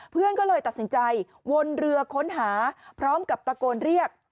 เพื่อนก็เลยตัดสินใจวนเรือค้นหาพร้อมกับตะโกนเรียก